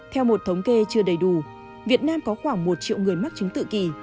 theo một thống kê chưa đầy đủ việt nam có khoảng một triệu người mắc chứng tự kỷ